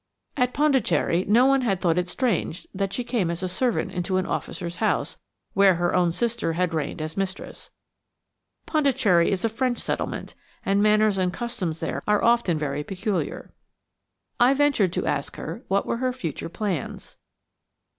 At Pondicherry no one had thought it strange that she came as a servant into an officer's house where her own sister had reigned as mistress. Pondicherry is a French settlement, and manners and customs there are often very peculiar. I ventured to ask her what were her future plans.